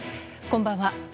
こんばんは。